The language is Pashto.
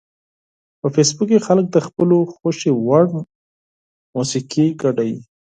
په فېسبوک کې خلک د خپلو خوښې وړ موسیقي شریکوي